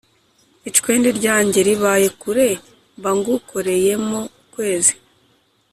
Icwende ryanjye ribaye kure mba ngukoreyemo-Ukwezi.